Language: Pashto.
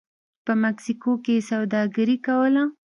په مکسیکو کې یې سوداګري کوله